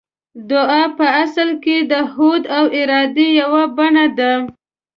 دعا په اصل کې د هوډ او ارادې يوه بڼه ده.